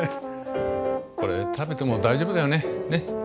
これ食べても大丈夫だよね？